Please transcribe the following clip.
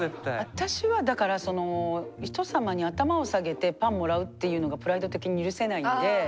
私はだからその人様に頭を下げてパンもらうっていうのがプライド的に許せないんで。